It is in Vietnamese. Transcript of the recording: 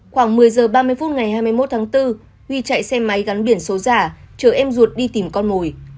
khoảng một mươi h ba mươi phút ngày hai mươi một tháng bốn huy chạy xe máy gắn biển số giả chở em ruột đi tìm con mồi